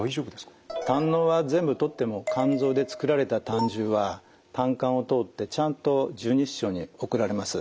胆のうは全部取っても肝臓でつくられた胆汁は胆管を通ってちゃんと十二指腸に送られます。